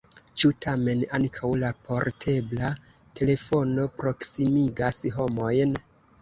Ĉu tamen ankaŭ la portebla telefono proksimigas homojn?